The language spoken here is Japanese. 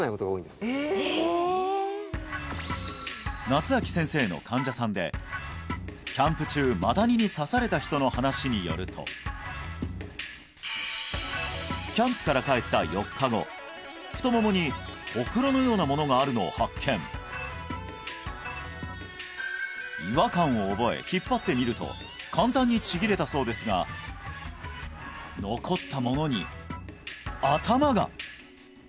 夏秋先生の患者さんでキャンプ中マダニに刺された人の話によるとキャンプから帰った４日後太ももにほくろのようなものがあるのを発見違和感を覚え引っ張ってみると簡単にちぎれたそうですが残ったものに頭が！